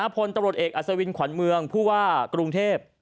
พลตำรวจเอกอัศวินขวัญเมืองผู้ว่ากรุงเทพ